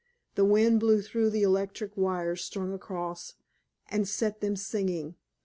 The wind blew through the electric wires strung across and set them singing.